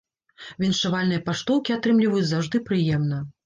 Віншавальныя паштоўкі атрымліваць заўжды прыемна.